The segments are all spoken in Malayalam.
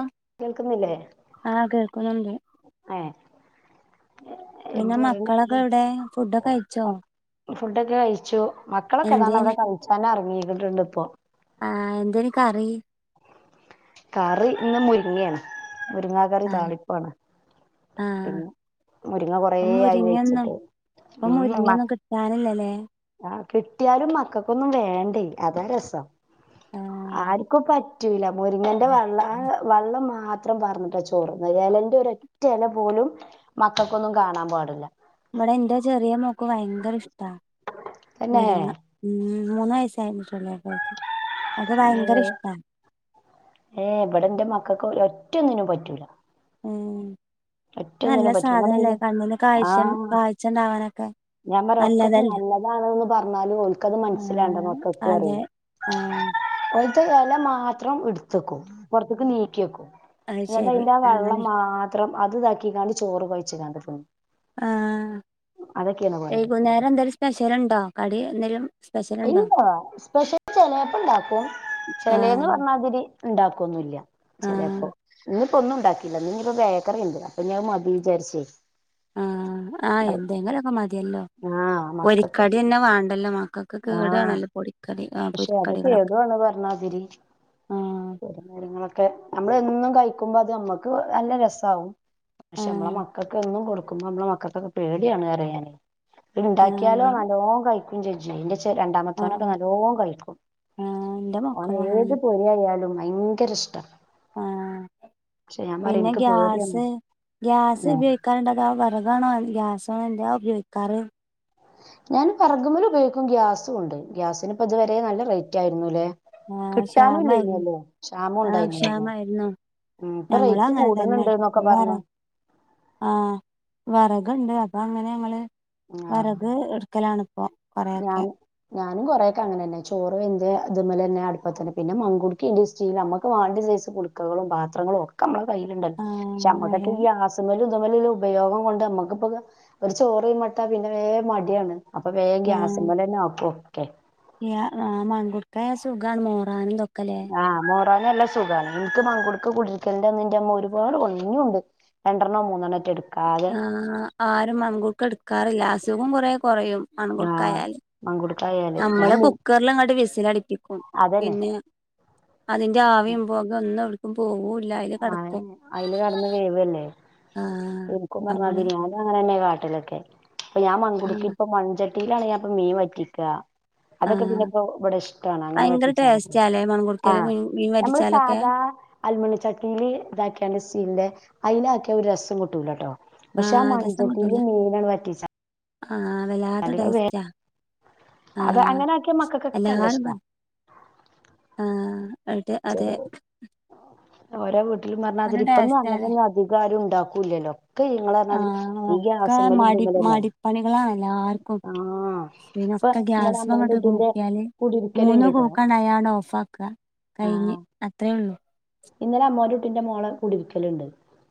ആ കേൾക്കുന്നില്ലേ ആ കേക്കുന്നുണ്ട്. ഏ എന്ത് പിന്നെ പറയണ്ട് മക്കളൊക്കെ എവടെ? ഫുഡൊക്കെ കഴിച്ചോ? ഫുഡൊക്കെ കഴിച്ചു. മക്കളൊക്കെ അതാണ് എന്തേന് അവിടെ കഴിച്ചാൻ അറങ്ങി. വിട്ടിട്ടുണ്ട് ണ്ട് ഇപ്പോ ആഹഎന്താന്ന് ക്കറി കറി ഇന്ന് മുരിങ്ങയാണ് മുരിങ്ങ കറ ആഹ് താളിപ്പ് ആണ് ആഹ് മുരിങ്ങ കൊറ ഇപ്പൊ ആയി മുരിങ്ങൊന്നും വെച്ചിട്ട് ഇപ്പൊ ഉം മുരിങ്ങൊന്നും കിട്ടാനില്ലല്ലേ ആ കിട്ടിയാലും മക്കൾക്കൊന്നും വേണ്ടേ അതാ രസം ആഹ് ആർക്കും പറ്റൂല മുരിങ്ങൻന്റെ വള്ള വെള്ളം മാ [unintelligible] മുരിങ്ങ ഇല പോലും മക്കൾക്കൊന്നും കാണാൻ പാടില്ല ഇമ്മടെ എന്താ ചെറിയോ ക്ക് ഭയങ്കര ഇഷ്ട മുരുങ്ങ ഉം മൂന്നായി ഭയങ്കര ഏ ഇഷ്ടാ ഏ എവിടെ എന്റെ മക്കൾക്ക് ഒ ഒറ്റയൊന്നിനും പറ്റൂില്ല ഉം നല്ല സാധനല്ലേ [unintelligible] കണ്ണിന് ആ കാഴ്ച കാഴ്ച ഉണ്ടാവാനൊക്കെ ഞാൻ പറയും നല്ലതല്ലേ നല്ലതാണന്ന് പറഞ്ഞാലും ഓർ ക്കത് ത് മനസ്സിലാവണ്ടേ ആഹ് അതെ ആഹ് [unintelligible] [unintelligible] ഇല മാത്രം എടുത്തക്കും പുറത്തേക്ക് നീക്കിയെക്കും അത് എന്നിട്ട് ശരി അതിന്റെ ആ വെള്ളം അങ്ങനെ മാത്രം അത് ഇതാക്കിക്കാണ്ട് ചോറ് കഴിച്ച കാണ്ടിന്ന ആഹ് അതൊക്കെയാണ് വേണ വൈകുന്നേരം എന്തേലും സ്പെഷ്യൽ ഉണ്ടോ കടി എന്തേലും സ്പെഷ്യൽ ഉണ്ടോ ഇല്ല സ്പെഷ്യൽ ചിലപ്പ ഇണ്ടാക്കും ചിലന്ന് ആഹ് പറഞ്ഞാതിരി ഉണ്ടാക്കുന്നുല്ല ചിലപ്പോ ആഹ് ഒന്നും ഉണ്ടാക്കില്ല നി റണ്ട് അപ്പൊ ഞാൻ മതി വിചാരിച്ച ആ ആഎന്തെങ്കിലുംക്കെ മതിയല്ലോ ആഹ് മക്കൾക്ക് ഒരിക്കടി തന്നെ വേണ്ടല്ലോ മാക്കൊ ഒക്ക ആഹ് കേടാണല്ലോ പൊടിക്ക പക്ഷെ അതൊക്കെ ഏതുണ് പറഞ്ഞാതിരി ആഹ് കുര കാര്യങ്ങളൊക്കെ നമ്മ എന്നും കയീ എടുക്കുമ്പോ അത് നമ്മക്ക് നല്ല രസമാകും പക്ഷെ നമ്മളെ ആഹ് മക്കൾക്ക് ഒന്നും കൊടുക്കുമ്പോ നമ്മളെ മക്കൾക്കൊക്കെ പേടിയാണ് കറിയാന ആഹ് ഇണ്ടാക്കിയാലോ അതെ നല്ലോം കഴിക്ക [unintelligible] രണ്ടാമതോനൊക്കെ ആഹ് [unintelligible] കളിക്കും ആഹ് എന്റെ ഓന മക്കളും ഏത് പുര ആയാല് ലും ഭയങ്കര ഇഷ്ടം ആ പിന്നെ ഇൻക്ക് പേടിയാണ് ഗ്യാസ് ഗ്യാസ് ആഹ് ഉപയോഗിക്കാറുണ്ട ആ വിറകണോ ഗ്യാസ്ണ ജോക്കാറ് ഞാൻ പറഗുമല ഉപയോഗിക്കും ഗ്യാസ കൊണ്ട് ഗ്യാസിന് ഇപ്പ ഇതുവരെ നല്ല റേറ്റ് ആയിരുന്നു അല്ലേ ആഹ് ക്ഷാമായിരുന്നു ക്ഷാമം ആ് ഉണ്ടായിരുന്നല്ലോ ക്ഷാമായിരുന്നു ഉം ഇപ്പൊ ഞങ്ങളും റേറ്റ് അങ്ങനെ കൂട്ണ് തന്നെ ണ്ട്ന്നൊക്കെ വ പറഞ്ഞു ആ വറകണ്ട് അപ്പ അങ്ങനെ ഞങ്ങള് ആഹ് വറക് എടുക്കലാണ് ഇപ്പം ഞാൻ കൊറെക്കെ ഞാനും കുറെക്കെ അങ്ങനെന്നെ ചോറോ എറെ അതു മല തന്നെ അടുപ്പ തന്നെ പിന്നെ മങ്കുട്ക്കിന്റെറെ സ്റ്റീൽ നമുക്ക് വാണ്ട സൈസ് കുട്ക്കകളും പാത്രങ്ങളും ഒക്കെ നമ്മളെ കയ്യില്ണ്ടല്ലോ ആ പക്ഷെ അതെ നമ്മുക്കൊ ഈ ആസ്മ തമ്മ ഉപയോഗം കൊണ്ട് നമ്മുക്കിപ്പ ഒരു ചോറ മട്ടാ പിന്നെ വേ മടിയാണ് അപ്പൊ വേഗം നോപ്പ ഓക്കെ ആ മങ്കുടുക്ക സുഖാണ് മോറൻ ന്തൊ ആ മോ പണിയല്ല സുഖണ് എനിക്ക് മങ്കുടുക്ക കുടിക്കൽന്റെന്ന് ന്റെമ്മ ഒരുപാട് കൊണ്ട്ന്ന് ഇഞ്ഞും ഉണ്ട് രണ്ടെണ്ണം മൂന്നെണ്ണം റ്റട് ആ ആരും മൺകുക്ക് എടുക്കാറില്ല അസുഖം കുറെ കുറയും മൺകുക്ക ആഹ് ആയല് മങ്കുടുക്കായാല് നമ്മള ഞാൻ കുക്കറൽങ്ങട്ട് വിസി ലടി പ്പിക്കും അതന്നെ പിന്നെ അതിന്റെ ആവിയും പോകെ ഒന്ന് പോവോ ആ അതില് കടന്ന് വേവല്ലേ ആ എനരിക്കും പറഞ്ഞാ നമ്മള് ബിരിയാനി അങ്ങനെ തന്നെ കാട്ട ട്ടിലൊക്കെ ഇപ്പൊഞാ ആ മൺകുട്ക്കി ഇപ്പ മൺ ച ട്ടിയിലാണ് ഞാപ്പൊ മീൻ വറ്റിക്കുക ആ അതൊക്കെ പിന്നെപ്പോ ഇവിടെ ഇഷ്ടാണ് അങ്ങനെ ഭയങ്കര വറ്റിച്ചലക്കെ ടേസ്റ്റാല്ലേ ആ മൺകുടുക്കേല് മീൻ മീൻ നമ്മള് വറ്റിച്ചാലൊക്കെ സാധാ അലുമിനിയചട്ടി ഇതാക്കിയണ്ട് സീലിന്റെ അയില് ആക്കിയ ഒരു രസം കിട്ടൂല കേട്ടോ പക്ഷെ ആ മൺ രസം ചട്ടിയില് കിട്ടൂല മീന് അങ്ങട് വറ്റിച്ച ആ വല്ലാത്ത ടേസ്റ്റ ആ അത് അങ്ങനെ ആക്കിയ മക്കൾക്കൊക്കെ നല്ല എല്ലാരും ഇഷ്ടാ പറയും ആ ആയിട്ട് അതെ [unintelligible] ഒലും നല്ല പറാരി ഇപ്പൊന്നും ടേസ്റ്റാല്ലേ അങ്ങനെന്നും അധികാരം ഉണ്ടാക്കൂല്ലല്ലോ ഒക്കെ ഇങ്ങ പറഞ്ഞാൽ ആഹ് ഈ ഒക്കെ ഗ്യാസങ്ങും മടി ഇന്തെങ്ക തന്നെയ മടിപ്പണികളാണ് എല്ലാർക്കും ആഹ ഇപ്പൊ പിന്നൊക്കെ ഇന്നലെ അമ്മോന്റെ ഗ്യാസ്മങ്ങട്ട് കുട്ടീന്റെ കൂക്കിയാല് കുടരിക്കല മൂന്ന് ഉണ്ട്ട്ടോ കൂക്കണ്ടായാണ്ട് ഓഫാക്ക കഴിഞ്ഞ് അത്രേ ഉള്ളു ഇന്നലെ അമ്മോന്റെ കുട്ടിന്റെ മോളെ കുടിവിക്കലുണ്ട്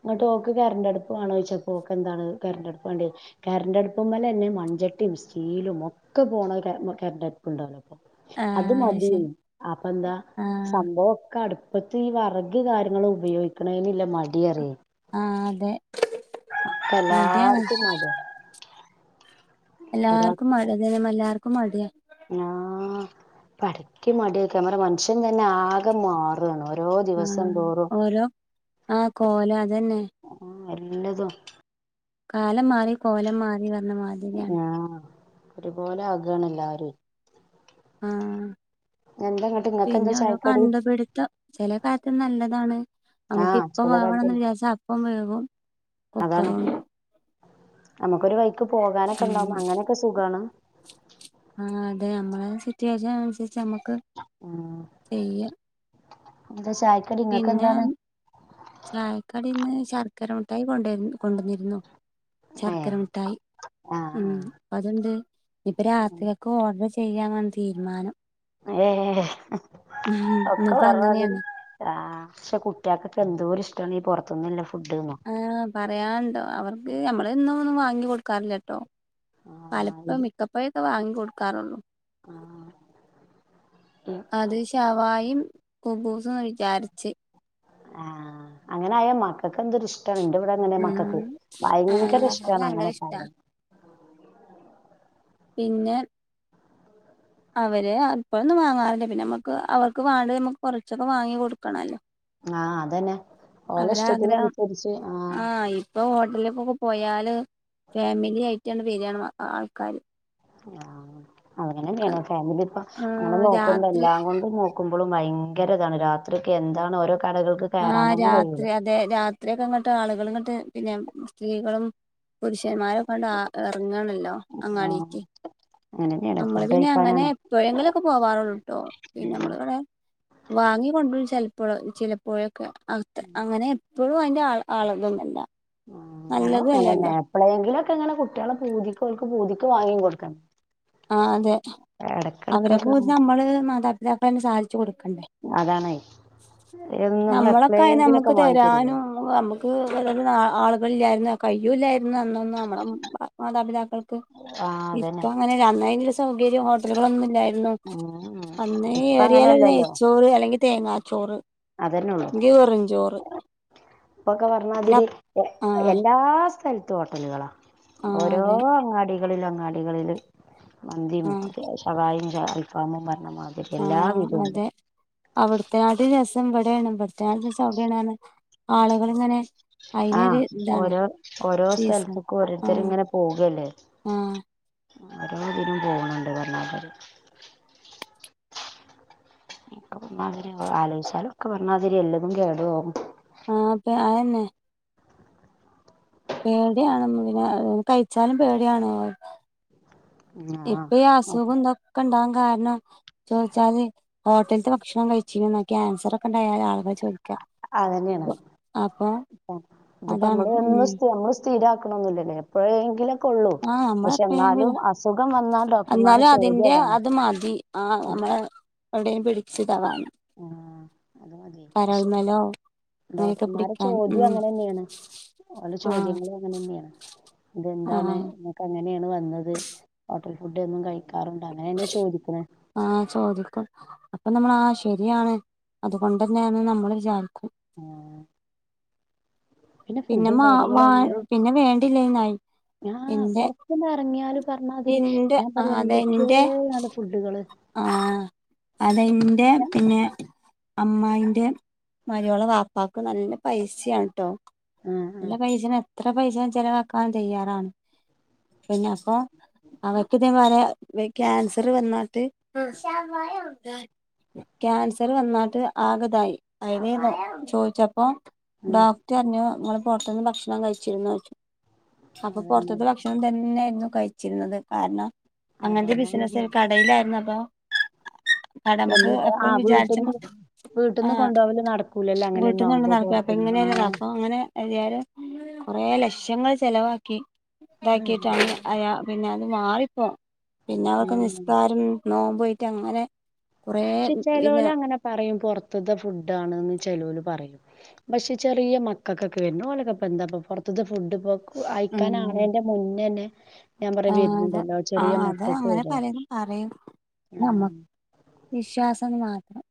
അങ്ങോട്ട് ക്ക് കറണ്ട് അടുപ്പ് കാണോ ചോച്ചാപ്പോൊക്കെ എന്താണ് കരണ്ട്ടുപ്പ് വേണ്ട കറണ്ട് അടുപ്പ് പോലെ തന്നെ മൺചട്ടിയും സ്റ്റീലും ഒക്കെ പോണ കറണ്ട്ടുപ്പ് ഉണ്ടോല്ലോ അത് ആഹ് മതി ശരി ആപ്പന്താ ആഹ് ഇതൊക്ക അടുപ്പത്ത് ഈ വെറക് കാര്യങ്ങളും ഉപയോഗിക്കണെനില്ലേ മടിയറി അതെ മടിയാണ് എല്ലാർക്കും മടിയാ ഒരാ എല്ലാർക്കും മടി അതന്നെ എല്ലാർക്കും മടിയാ പടക്ക് മടിക്കെ പറ മനുഷ്യൻ തന്നെ ആകെ മാറ്കാണ് ആഹ് ഓരോ ആഹ് കോലം അതന്നെ നല്ലതോ കാലം മാ കോലം മാറി വന്ന മാതിരിയാണ് ആഹ് ഒരുപോലെ ആക് കാണെ എല്ലാരുവേ ആഹ് എന്താങ്ങട്ട് ഇങ്ങക്കെന്താ പിന്നെ ഓരോ ചായക്കടി കണ്ടുപിടുത്തം ചെല കാര്യത്തി നല്ലതാണ് നമുക്ക് ആഹ് ഇപ്പം ചെല വേവണംന്ന് കാര്യത്തിന് വിചാരിച്ചാ അപ്പം വേവും അതാണ് [unintelligible] നമുക്കൊരു വൈ എടക്ക് പോകാനൊക്കെ ഉം ഉണ്ടാവും അങ്ങനെയൊക്കെ സുഖാണ് ട്ട്ച്ചാ അനുസരിച്ച് നമുക്ക് മ്മക്ക് ഉം ചെയ്യ എന്താ ചായക്കടി പിന്നെ ഇങ്ങക്കെന്താണ് ചായക്കടി ഇന്ന് ശർക്കര മുട്ടായി കൊണ്ട് കൊണ്ടുവന്നിരുന്നു ശർക്കര ഏഹ് മുട്ടായി ആഹ് ഉം ആഹ് അതുണ്ട് ഇപ്പ രാത്രിയൊക്കെ ഓർഡർ ചെ ചെയ്യാനാണ് തീരുമാനം ഏഹ് ഉം ഒക്കെ ഇന്നിപ്പോ അങ്ങനെയാണ് [unintelligible] ആഹ് പക്ഷെ കുട്ടികൾക്കൊക്കെ എന്തോര് ഇഷ്ട്ടാണ് ഈ പുറത്തുന്നുള്ള ഫുട് ആഹ് പറയാനുണ്ടോ അവർക്ക് നമ്മള് എന്നും ഒന്നും വാങ്ങി കൊടുക്കാറില്ലട്ടോ ആഹ് പലപ്പ ഇത് മിക്കപ്പോയും വാങ്ങി കൊടുക്കാറുള്ളൂ ആഹ് ഈ അത് ശവായും കുബൂസ് ന്ന് വിചാരിച്ച് ആഹ് അങ്ങനായാ മക്കൾക്ക് എന്തൊരു ഇഷ് ട്ടാണ് ഇന്റെ ഇവിടെ അങ്ങനെ മക്കക്ക് ഉം ആഹ് ഭയങ്കര അത് ഇഷ്ടാണ് ഭയങ്കര അങ്ങനൊക്കെ ഇഷ്ടാ ആയാൽ പിന്നെ അവര് അപ്പഴൊന്നും വാങ്ങാറില്ല പിന്നെ നമ്മുക്ക് അവർക്ക് വാണ്ടത് നമുക്ക് കൊറച്ചൊക്കെ വാങ്ങി കൊടുക്കണല്ലോ ആഹ് അതന്നെ ഓലെ അവരെ ഇഷ്ടത്തിന് ആഗ്രഹം അനുസരിച്ച് അ ആഹ് ഇപ്പൊ ഹോട്ടലിലേക്കൊക്കെ പോയാല് ഫാമിലി ആയിട്ടാണ് വരിയാണ് ആൾക്കാര് ആഹ് അങ്ങനെ ഫാമിലി ഇപ്പ അങ്ങനെ നോക്കുമ്പോ രാത്രി എല്ലാം കൊണ്ടും നോക്കുമ്പോളും ഭയ ഭയങ്കരതാണ് രാത്രിക്ക് എന്താണ് ഓരോ കടകൾക്ക് കയറാൻ ആഹ് തന്നെ കഴിയൂല രാത്രി അതെ രാത്രിയ ഒക്കെ ഇങ്ങോട്ട് ആളുകൾ ഇങ്ങോട്ട് പിന്നെ സ്ത്രീകളും പുരു മാരൊക്കെ ഇറങ്ങണല്ലോ ആഹ് അങ്ങാടിക്ക് അങ്ങനെന്നെയാണ് നമ്മള് ഫുഡ് പിന്നെ അങ്ങനെ കഴിക്കാനാണ് എപ്പോഴെങ്കിലുമൊക്കെ പോവാറുള്ളൂട്ടോ പിന്നെ നമ്മള് ഇവിടെ വാങ്ങി കൊണ്ടുവരും ചിലപ്പോ [unintelligible] ചില [unintelligible] [unintelligible] അങ്ങനെ ഇപ്പോഴും അതിന്റെ ആള് അളകന്നല്ല ആ ഞങ്ങ അങ്ങനെ എപ്പളെകിലുമൊക്കെ ഇങ്ങനെ കുട്ടികളെ പൂതിക്കൊൽക്ക് പൂതി വാങ്ങി കൊടുക്കണം ആ അതെ അവരെ എടക്കെടക്കൊക്കെ പോ നമ്മള് മാതാപിതാക്ക തന്നെ സാധിച്ചു കൊട് അതണ് അന്ന് നിങ്ങള് നമ്മളൊക്കായ നമുക്ക് എപ്പോഴെങ്കിലുംക്കെ വാങ്ങി തരുള്ളൂ തരാനും നമുക്ക് വ ആളുകളൾല്ലായിരുന്ന് കയ്യുഇല്ലാ ഇന്നൊന്നും നമ്മുടെ മാതാപിതാക്കൾക് ആഹ് അതന്നെ ഇപ്പം അ സൗകര്യം ഹോട്ടലുകളൊന്നും ഇല്ല [unintelligible] ഉം അന്നേ ഇപ്പ ഏറിയാല് അങ്ങനെയല്ലല്ലോ നെയ്ച്ചോറ് അല്ലെങ്കിൽ തേങ്ങ ചോറ് അതന്നെ ഉള്ളു അപ്പൊക്കെ പറഞ്ഞാ പിന്നെ അതിരി അപ്- ആ എല്ലാ സ്ഥല ഹോട്ടലുകളാ ആ ഓരോ അതെ അങ്ങാടി ളിൽ അങ്ങാടികളില്ല് മന്തിയും സവായും അൽഫമും മ ആഹ അതെ അവിടുത്തെ നാട്ടി ര വിടെയണ് ഇവിടെത്തെ നാട്ടിലും രസം അവിടെയാണ് പറഞ്ഞ് ആഹ ഇതാണ് ഓരോ ഓരോ സീസൺ സ്ഥലത്തേക്കും ഓരോരുത്തരും ആഹ് ഇങ്ങനെ പോവല്ലേ ആഹ് ഓരോപരും പോകണുണ്ട് പറഞ്ഞാ തിരി ഇപ്പം പറഞ്ഞാ തിരി ആലോചിച്ചാലും ഒക്കെ പറഞ്ഞാതിരി എല്ലതും കേടും പോ ആഹപ്പ ആയ ന പേടിയാണ് പിന്നെ കഴിച്ചാലും പേടിയാണ് ആഹ് ഇപ്പ ഈ അസുഖം ഇതൊക്കെ ഇണ്ടാ കാരണം ചോയ്ച്ചാല് ഹോട്ടൽത്തെ ഭക്ഷണം കഴിച്ചീന്നോ ക്യാൻസർ ഒക്കെ ണ്ടായാല് ആളുകൾ ചോദിക്ക. അതന്നെയാണ് അപ്പൊ അതാണ് ഉം. തിരാക്ക്ണൊന്നുല്ലല്ലോ. എപ്പഴേങ്കിലും, ആ നമ്മള് എപ്പഴെങ്കിലും വന്നാൽ ഡോക്ടർമാരെ എന്നാലും ചോദ്യം അതിന്റെ അതാണ് അത് മതി ആ നമ്മള് എവിടേ പിടിച്ച്തള്ളാൻ ആ അത് മതി പക്ഷെ കരൾമലോ അങ്ങനെയൊക്കെ ഡോക്ടർമാരെ പിടിക്കാൻ ചോദ്യം ഉം അങ്ങനെ തന്നെയാണ് അവർടെ ആഹ് ചോദ്യങ്ങളും അങ്ങനന്നെയാണ്. അതെന്താണ് ആഹ് നിങ്ങക്ക ങ്ങനേണ് വന്നത് ഹോട്ടൽ ഫുഡ് ഒന്നും കഴി ആ ചോദിക്കും അപ്പൊ നമ്മളാ ശരിയാണ് അതുകൊണ്ടന്നെയാണ് നമ്മള് വിചാരിക്കും. ആ പിന്നെ ഫുഡും മാ കാര്യങ്ങളും വാ അങ്ങനെയണ് പിന്നെ വേണ്ടില്ലേന്നായി ഞാ എന്റെ പൊറത്തൊന്ന് ഇറങ്ങിയാല് പറഞ്ഞാതിരി എന്റെ ഞാൻ പറയാ എന്തൊക്കേയാണ് ഫുഡുകള് ആ അതിന്റെ ആഹ് പിന്നേ അമ്മായിന്റെ മരുവോള വാപ്പാക്ക് നല്ല പൈസയാണിട്ടോ ആഹ് നല്ല പൈസെണ് എത്ര പൈസയും ചെലവാക്കാൻ തയ്യാറാണ് പിന്നെ അപ്പോ അവർക്കിതേ പോലെ ക്യാൻസർ വന്നിട്ട് ക്യാൻസർ വന്നാട്ട് ആകെഇതായി [unintelligible] ചോദിച്ച പ്പം ആഹ് ഡോക്ടർ പറഞ്ഞു നിങ്ങള് പൊറത്തുന്ന് ഭക്ഷണം കഴിച്ചിരുന്നോച്ച് അപ്പ അതന്നെ പൊറത്തത്തെ ഭക്ഷണം തന്നേ അതോ കഴിച്ചിരുന്നത് കാരണം അങ്ങനത്തെ അതുകൊണ്ടാണ് ബിസിനസ് കടയിലായിുന്ന ആ എന്നിട് ആ വീട്ടിന്ന് ആ വീട്ടിന്ന് കൊണ്ടുപോവല്ല് നടക്കൂലല്ലോ അങ്ങനെയൊന്നും വീട്ടിൽന്ന് ആവുമ്പോ പുറത്തുന്ന് ആ പരിയാരം കൊറെ ലക്ഷങ്ങൾ ചെലവാക്കി ഇതാക്കിയിട്ടാണ് അയാ പിന്നെ ഞാനിപ്പോ പിന്നെ അവർക്ക് ഉം നിസ്കാരം നോമ്പ് പോയിട്ട് അങ്ങനെ കൊറേ പക്ഷേ പിന്നെ ചെലോല് അങ്ങനെ പറയും പുറത്തത്തെ ഫുഡ് ആണ്ന്ന് ചെലോല് പറയും പക്ഷെ ചെറിയ മക്കക്കൊക്കെ വരുന്നു ഓലൊക്കെ എന്താ പൊറത്തത്തെ ഫുഡ് ഇപ്പോ അയക്കാനാണേന്റെ മുന്നെന്നെ ആ അത് ആ അതെ മക്കക്ക് അങ്ങനെ വരെ പലരും പറയും നമ്മക്ക് വിശ്വാസം മാത്രം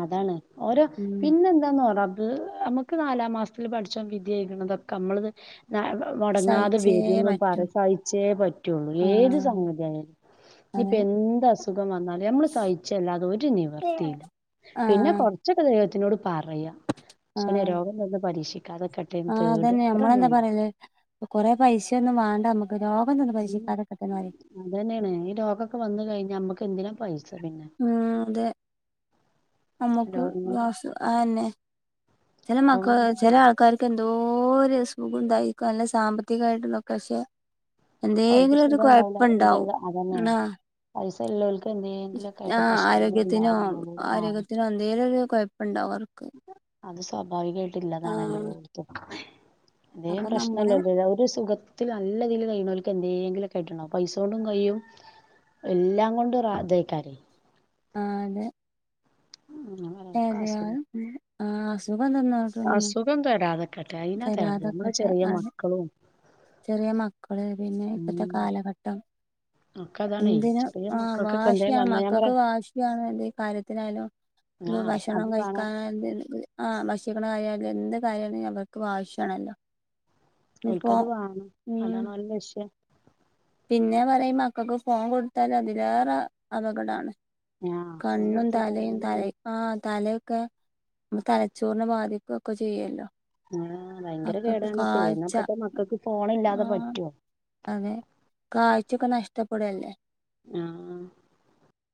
അതാണ് ഓരോ ഉം പിന്നെ എന്താന്ന് [unintelligible] അത് നമ്മക്ക് നാലാം മാസത്തിൽ പടച്ചോൻ വിധി ഏക്‌ണതൊക്കെ നമ്മളത് [unintelligible] മൊടങ്ങാതെ സഹിച്ചേ വരുന്നു പറ്റൂ പറ സഹിച്ചേ പറ്റുള്ളൂ ഏത് ആഹ് സമയത്തായാലും ഇനിപ്പ അതെ എന്ത് അസുഖം വന്നാലും നമ്മള് സഹിച്ചല്ലാതെ ഒരു ആഹ് നിവർത്തിയില്ല പിന്നെ ആഹ് കുറച്ചൊക്കെ എല്ലാത്തിനോട് പറയാ പക്ഷനെ രോഗം വന്ന് പരീക്ഷി ആ അതന്നെ നമ്മളെന്താ പറയല് കൊറെ പൈസൊന്നും വാണ്ട മ്മക്ക് ഉം അതന്നെയാണ് ഈ രോഗൊക്കെ വന്ന് കഴിഞ്ഞ ഞമ്മക്ക് എന്തിനാ പൈസ [unintelligible] പിന്നെ ഉം അതെ നമ്മുക്ക് രോഗം കൊണ്ട് ഗ്ലാസ്‌ അഎന്നെ ചില മക്ക രോഗം ചെല കൊണ്ട് ആൾക്കാർക്ക് എന്ത ന്തോരസമുണ്ടായിക്കല്ല സാമ്പത്തികായിട്ടന്നൊക്കെ പക്ഷെ അവർക്ക് എന്തെങ്കിലും ഒരു സുഖം ഉണ്ടാവില്ല കൊയപ്പുണ്ടാവും എന്തെങ്കിലും അതന്നെയാണ് ന്ന [unintelligible] ആയിട്ട് ആഹ് പ്രശ്നങ്ങൾ ആരോഗ്യത്തിനോ ഉണ്ടാവുള്ളൂ ആഹ് ആരോഗ്യത്തിനോ എന്തെലും ഒരു കുഴപ്പുണ്ടാവർ അത് സ്വാഭാവികായിട്ടില്ലാതാണല്ലോ ആഹ് ത്തം [unintelligible] അതേം അപ്പൊ നമ്മള് പ്രശ്നമല്ലല്ലേ ഒരു സുഖത്തിൽ നല്ലതിൽ കൈനോൽക്ക്ന്ന എന്തേങ്കിലുംക്കെട്ടണോ പൈസ കൊണ്ടും കയും എല്ലാം കൊണ്ടും [unintelligible] ആഹ് അതെ. അങ്ങനെ ഒക്കെ അതെ അസുഖം അതെ ആഹ് അസുഖം തന്നായിട്ടൊന്നും അസുഖം തരാതെക്കട്ടെ അയിനാ തേടല് നമ്മളെ തരാതക്കട്ടെ ചെറിയ അത് മക്കളും ചെറിയ മക്കള്. പിന്നെ ഇപ്പത്തെ ഉം കാലഘട്ടം. ഒക്കെ അതാണേ എന്തിനും ചെറിയ ആഹ് മക്കൾക്കൊക്കെ എന്തേലും വാശിയാണ് വന്നാ ഞാൻ മകക്ക് പറയാ വാശിയാണ് ന്ത് കാര്യത്തിനായാലും. ഇന്ന് ആഹ് ഭഷണം അത് വേണം കഴിക്കാൻ വര്ണ്ട് ന്ന് ആ ബഷ [unintelligible] എന്ത് കാര്യയാണെലും അവർക്ക് വാശിയാണല്ലോ. ഇനിപ്പോ ഓൽക്കത് വാണം ഉം അതാണോലെ ലഷ്യം. പിന്നെ പറയ് മക്കക്ക് ഫോൺ കൊട് ത്താല് അതിലേറെ അപകടാണ്. ആഹ് ഫോൺ കണ്ണും കൊടുത്താൽ തലേം തലേ അങ്ങനെയാണ് ആ തല ക്ക തലച്ചോറ്നെ ബാധിക്കൊക്ക ചെയ്യല്ലോ. ആഹ് വയ്ങ്കര കേടാണിപ്പേ. ന്നാ ഇപ്പോത്തെ മക്കക്ക് ആ ഫോണില്ലാതെ പറ്റോ? ച്ചക്കെ നഷ്ടപ്പെടല്ലെ. ആഹ്.